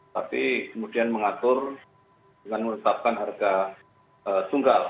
tapi kemudian mengatur dengan menetapkan harga tunggal